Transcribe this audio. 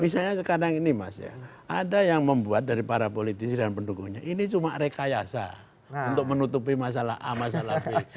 misalnya sekarang ini mas ya ada yang membuat dari para politisi dan pendukungnya ini cuma rekayasa untuk menutupi masalah a masalah b